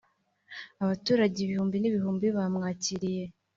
Abaturage ibihumbi n’ibihumbi bamwakiriye